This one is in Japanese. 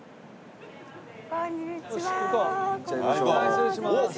失礼します。